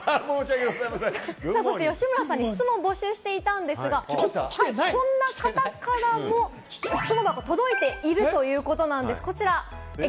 吉村さんに質問を募集していたんですが、こんな方からも質問が届いているということなんです、こちらです。